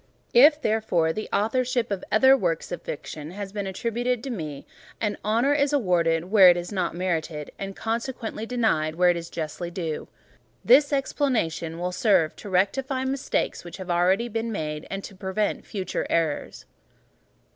If, therefore, the authorship of other works of fiction has been attributed to me, an honour is awarded where it is not merited; and consequently, denied where it is justly due. This explanation will serve to rectify mistakes which may already have been made, and to prevent future errors.